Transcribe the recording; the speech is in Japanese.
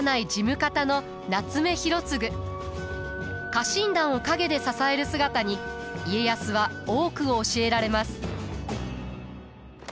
家臣団を陰で支える姿に家康は多くを教えられます。